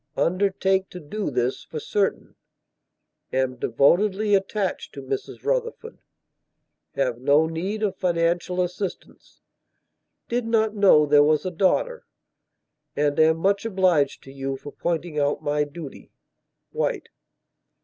Undertake to do this for certain. Am devotedly attached to Mrs Rufford. Have no need of financial assistance. Did not know there was a daughter, and am much obliged to you for pointing out my duty. White."